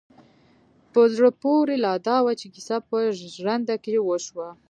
په زړه پورې لا دا وه چې کيسه په ژرنده کې وشوه.